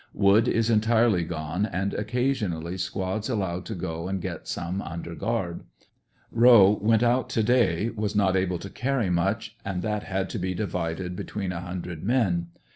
Wood is entirely gone, and occasion ally squads allowed to go and get some under guard. Rowe w^ent out to day, was not able to carry much, and that had to be divided between a hundred men.